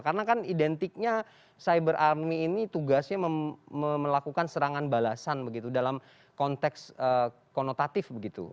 karena kan identiknya cyber army ini tugasnya melakukan serangan balasan dalam konteks konotatif